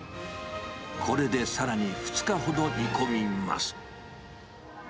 これでさらに２日ほど煮込みます。